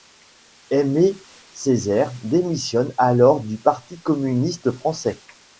Aimé Césaire démissionne alors du Parti communiste français.